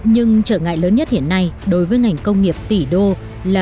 nhưng trở ngại lớn nhất hiện nay đối với ngành công nghiệp tỷ đô là